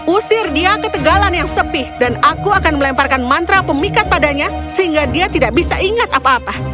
usir dia ke tegalan yang sepi dan aku akan melemparkan mantra pemikat padanya sehingga dia tidak bisa ingat apa apa